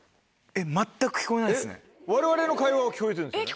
われわれの会話は聞こえてるんですよね？